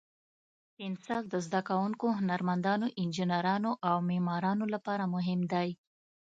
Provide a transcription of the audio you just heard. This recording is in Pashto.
پنسل د زده کوونکو، هنرمندانو، انجینرانو، او معمارانو لپاره مهم دی.